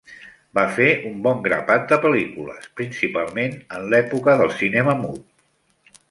Va fer un bon grapat de pel·lícules, principalment en època del cinema mut.